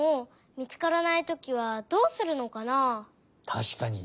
たしかに。